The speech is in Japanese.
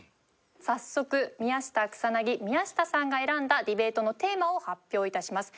早速宮下草薙宮下さんが選んだディベートのテーマを発表致します。